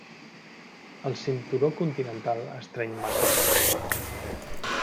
El cinturó continental estreny massa poc.